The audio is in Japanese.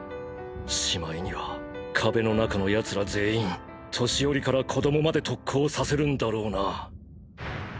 しまいには壁の中の奴ら全員年寄りから子供まで特攻させるんだろうな。